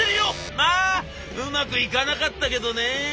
まあうまくいかなかったけどね」。